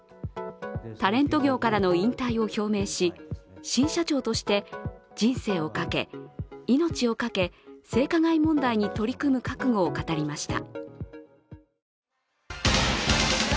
タレント業からの引退を表明し、新社長として人生をかけ、命をかけ、性加害問題に取り組む覚悟を語りました。